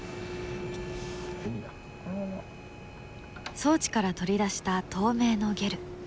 装置から取り出した透明のゲル。